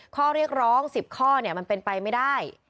ข้อเรียกร้อง๑๐ข้อมันเป็นไปไม่ได้